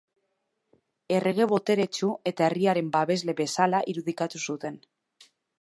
Errege boteretsu eta herriaren babesle bezala irudikatu zuten.